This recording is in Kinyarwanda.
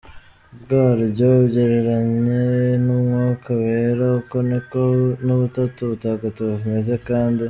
bwaryo ubugereranye n'Umwuka Wera, uko niko nubutatu butagatifu bumeze kandi.